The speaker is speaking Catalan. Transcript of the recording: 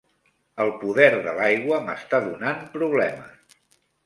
El poder de l'aigua m'està donant problemes.